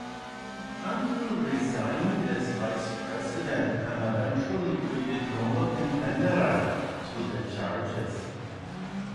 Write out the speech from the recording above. Agnew resigned as Vice President and eventually pleaded "nolo contendere" to the charges.